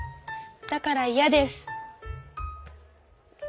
だからイヤです。